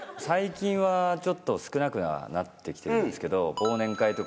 最近はちょっと少なくはなって来てるんですけど。